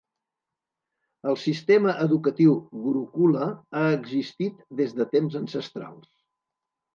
El sistema educatiu gurukula ha existit des de temps ancestrals.